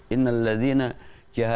innal ladhina jahat